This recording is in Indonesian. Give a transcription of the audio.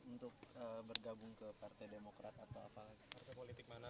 untuk bergabung ke partai demokrat atau apa lagi